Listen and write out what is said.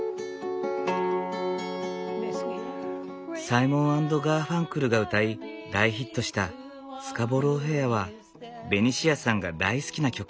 サイモン＆ガーファンクルが歌い大ヒットした「スカボロー・フェア」はベニシアさんが大好きな曲。